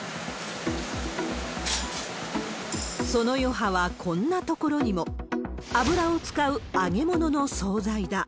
その余波はこんな所にも。油を使う揚げ物の総菜だ。